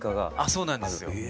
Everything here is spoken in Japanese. そうなんですよはい。